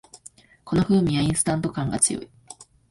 この風味はインスタント感が強い